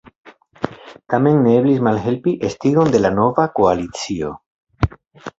Tamen ne eblis malhelpi estigon de la nova koalicio.